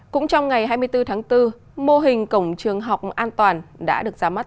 cũng trong ngày hai mươi bốn tháng bốn mô hình cổng trường học an toàn đã được ra mắt